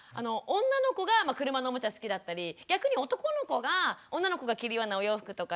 女の子が車のおもちゃ好きだったり逆に男の子が女の子が着るようなお洋服とかね